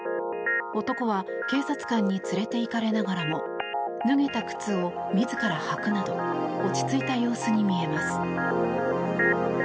男は警察官に連れていかれながらも脱げた靴を自ら履くなど落ち着いた様子に見えます。